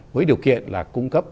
với điều kiện là cung cấp